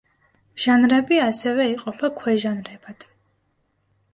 ჟანრები ასევე იყოფა ქვე–ჟანრებად.